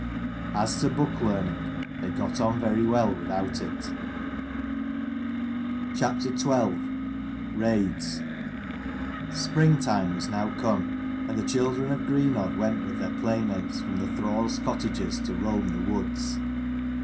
As to book learning, they got on very well without it. ~ PRINGTIME was now come CHAPTER and the children of Greenodd XII. RAIDS, went with their playmates from the thralls' cottages to roam the woods.